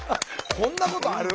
こんなことある？